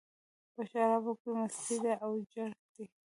په شرابو کې مستي ده، او جرت دی